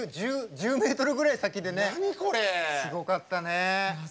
１０ｍぐらい先でねすごかったね。